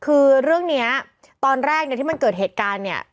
คือเรื่องนี้ตอนแรกเนี่ยที่มันเกิดเหตุการณ์เนี่ย